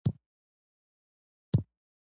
نوې څانګې په کرنه کې رامنځته شوې.